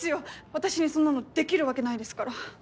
私にそんなのできるわけないですから。